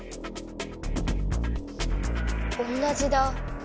おんなじだ。